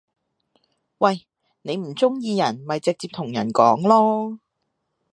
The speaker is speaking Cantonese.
喂！你唔中意人咪直接同人講囉